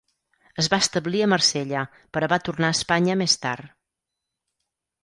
Es va establit a Marsella, però va tornar a Espanya més tard.